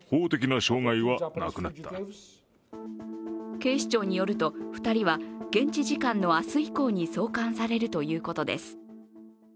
警視庁によると２人は現地時間の明日以降に送還されるということです。